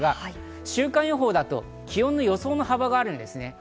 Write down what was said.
週間予報だと気温の予想の幅があるんです。